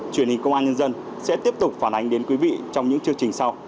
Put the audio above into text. truyền hình công an nhân dân sẽ tiếp tục phản ánh đến quý vị trong những chương trình sau